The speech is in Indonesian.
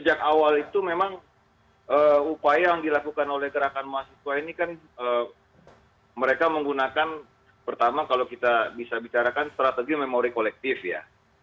sejak awal itu memang upaya yang dilakukan oleh gerakan mahasiswa ini kan mereka menggunakan pertama kalau kita bisa bicarakan strategi memori kolektif ya